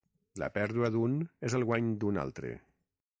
La pèrdua d'un és el guany d'un altre.